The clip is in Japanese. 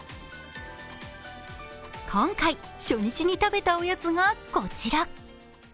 今回、初日に食べたおやつが、こちら。